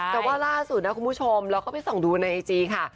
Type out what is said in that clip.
แต่ว่าล่าสุดนะคุณผู้ชมเราก็ไปส่องดูในไอจีค่ะ